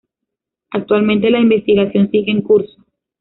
Actualmente la investigación sigue en curso.